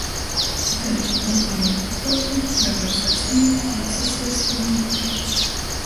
Itaidu puormaiņu pakuopi navar sasnīgt, ka īsasaista viņ daži.